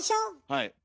はい。